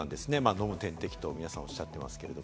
飲む点滴と皆さんおっしゃっていますが。